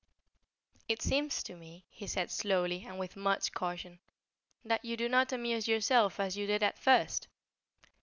"It seems to me," he said, slowly, and with much caution, "that you do not amuse yourself as you did at first."